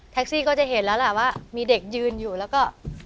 ซี่ก็จะเห็นแล้วล่ะว่ามีเด็กยืนอยู่แล้วก็